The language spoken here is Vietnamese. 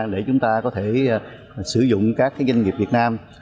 để chúng ta có thể sử dụng các doanh nghiệp việt nam